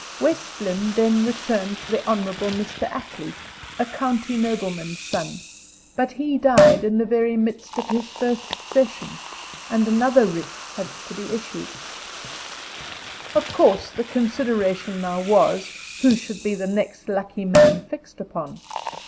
West Lynne then returned the Hon. Mr. Attley, a county nobleman's son; but he died in the very midst of his first session, and another writ had to be issued. Of course the consideration now was, who should be the next lucky man fixed upon.